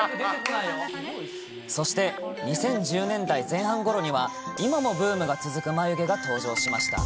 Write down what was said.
そして、２０１０年代前半ごろには、今もブームが続く眉毛が登場しました。